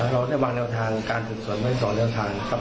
เราได้วางแนวทางการสืบสวนไว้๒แนวทางครับ